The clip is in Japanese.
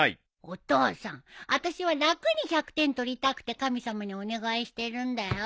お父さんあたしは楽に１００点取りたくて神様にお願いしてるんだよ。